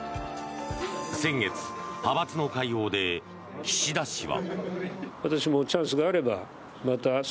先月、派閥の会合で岸田氏は。